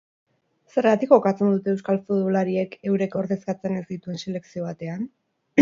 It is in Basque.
Zergatik jokatzen dute euskal futbolariek eurek ordezkatzen ez dituen selekzio batean?